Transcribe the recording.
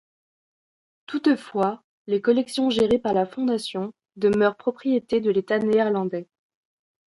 Toutefois, les collections gérées par la fondation demeurent propriété de l’État néerlandais.